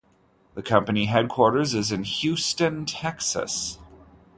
The company headquarters is in Houston, Texas.